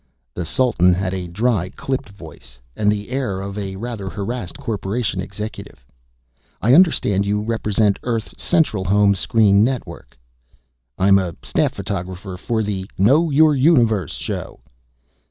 The Sultan had a dry clipped voice and the air of a rather harassed corporation executive. "I understand you represent Earth Central Home Screen Network?" "I'm a staff photographer for the Know Your Universe! show."